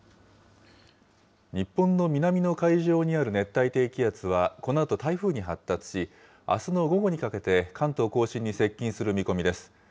日本の南の海上にある熱帯低気圧はこのあと台風に発達し、あすの午後にかけて、関東甲信に接近する見込みです。